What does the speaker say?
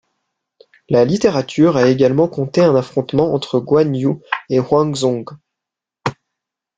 La littérature a également conté un affrontement entre Guan Yu et huang Zhong.